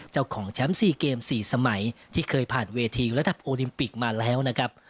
เจ้าของแชมป์๔เกม๔สมัยที่เคยผ่านเวทีระดับโอลิมปิกมาแล้วนะครับ